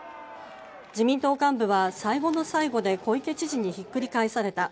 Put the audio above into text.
自民党幹部は最後の最後で小池知事にひっくり返された。